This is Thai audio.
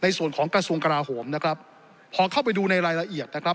ในส่วนของกระทรวงกราโหมนะครับพอเข้าไปดูในรายละเอียดนะครับ